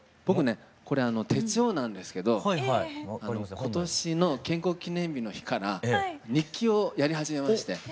僕ねこれ手帳なんですけど今年の建国記念日の日から日記をやり始めまして。